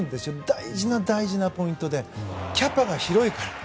大事な大事なポイントでキャパが広いから。